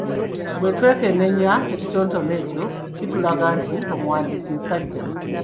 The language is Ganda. Bwe twekenneenya ekitontome ekyo kitulaga nti omuwandiisi musajja.